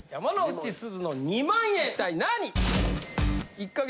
一体何？